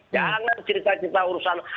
jangan cerita cerita urusan